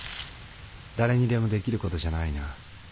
誰にでもできることじゃないな。